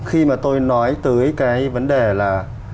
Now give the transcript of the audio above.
khi mà tôi nói tới cái vấn đề là